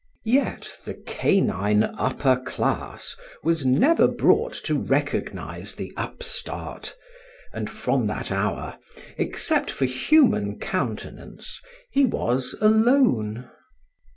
Yet the canine upper class was never brought to recognize the upstart, and from that hour, except for human countenance, he was alone.